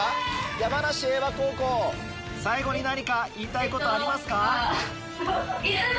山梨英和高校最後に何か言いたいことありますか？